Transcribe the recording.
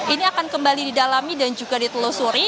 ini akan kembali didalami dan juga ditelusuri